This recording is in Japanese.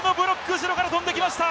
後ろから飛んできました！